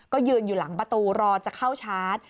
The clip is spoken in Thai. ก็ยืนอยู่หลังประตูรอจะเข้าชาร์จ